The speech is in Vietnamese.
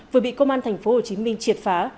vừa bị công an tp hcm triệt phá